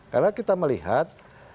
karena kita melihat